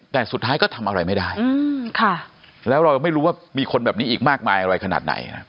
แต่สุดท้ายก็ทำอะไรไม่ได้แล้วเราไม่รู้ว่า